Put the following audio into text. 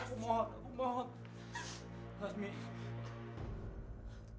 kayak udah sekarang